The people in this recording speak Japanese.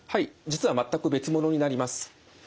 実は全く別物になります。